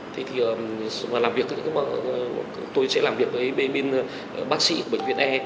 thế thì tôi sẽ làm việc với bên bác sĩ của bệnh viện e